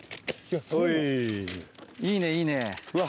おいいいねいいね。